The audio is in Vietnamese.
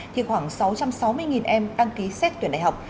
thì khoảng sáu trăm sáu mươi em đăng ký xét tuyển đại học